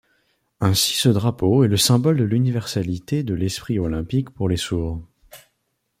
Ainsi ce drapeau est le symbole de l’universalité de l’esprit olympique pour les sourds.